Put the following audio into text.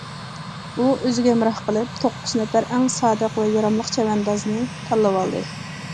ئۇ ئۆزىگە ھەمراھ قىلىپ توققۇز نەپەر ئەڭ سادىق ۋە ياراملىق چەۋەندازنى تاللىۋالدى.